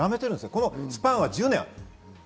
このスパンが１０年ある。